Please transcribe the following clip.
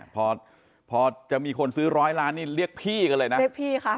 พอพอจะมีคนซื้อร้อยล้านนี่เรียกพี่กันเลยนะเรียกพี่คะ